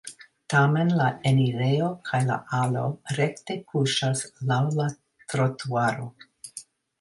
Tamen la enirejo kaj la alo rekte kuŝas laŭ la trutuaro.